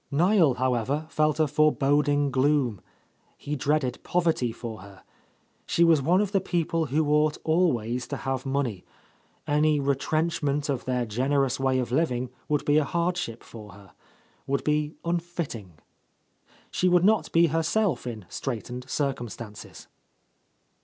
Kiel, however, felt a foreboding gloom. He dreaded poverty for her. She was one of the people who ought always to have m.oney; any re trenchment of their generous way of living would be a hardship for her, — ^would be unfitting. She would not be herself in straitened circumstances.